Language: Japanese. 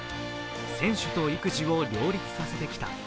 選手と育児を両立させてきた。